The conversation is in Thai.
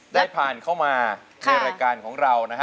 ได้ผ่านเข้ามาในรายการของเรานะฮะ